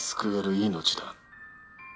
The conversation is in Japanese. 命だ